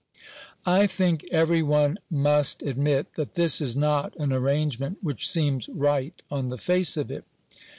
I think every one must admit that this is not an arrangement which seems right on the face of it.